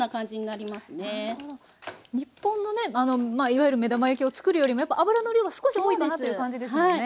あのいわゆる目玉焼きを作るよりもやっぱ油の量は少し多いかなという感じですもんね。